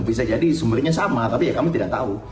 bisa jadi sumbernya sama tapi ya kami tidak tahu